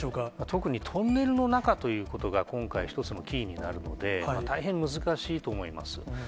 特にトンネルの中ということが、今回、一つのキーになるので、大変難しいと思います。